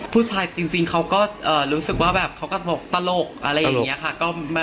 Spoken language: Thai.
ผู้ชายจริงเขาก็รู้สึกว่าแบบเขาก็ตลกอะไรอย่างนี้ค่ะ